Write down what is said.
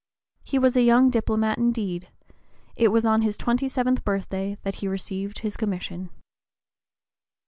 He was a young diplomat, indeed; it was on his twenty seventh (p. 020) birthday that he received his commission.